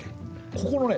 ここのね